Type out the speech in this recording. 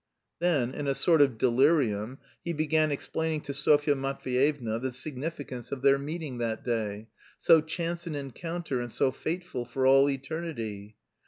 Then in a sort of delirium be began explaining to Sofya Matveyevna the significance of their meeting that day, "so chance an encounter and so fateful for all eternity."